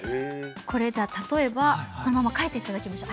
これじゃあ例えばこのまま書いていただきましょう。